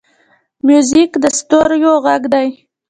موزیک د ستوریو غږ دی.